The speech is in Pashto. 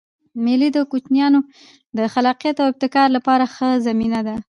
مېلې د کوچنيانو د خلاقیت او ابتکار له پاره ښه زمینه ده.